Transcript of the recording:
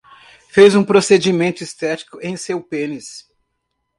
Fez um procedimento estético em seu pênis